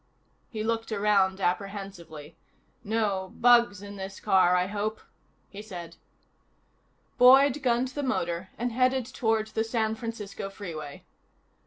He looked around apprehensively. "No bugs in this car, I hope?" he said. Boyd gunned the motor and headed toward the San Francisco Freeway.